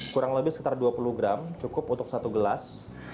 kurang lebih sekitar dua puluh gram cukup untuk satu gelas